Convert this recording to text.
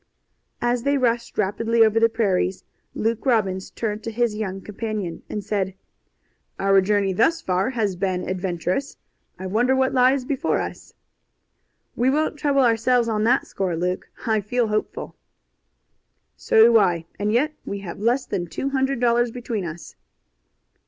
As they rushed rapidly over the prairies, Luke Robbins turned to his young companion and said: "Our journey thus far has been adventurous. I wonder what lies before us." "We won't trouble ourselves on that score, Luke. I feel hopeful." "So do I, and yet we have less than two hundred dollars between us."